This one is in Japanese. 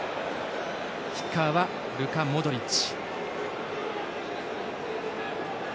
キッカーはルカ・モドリッチ。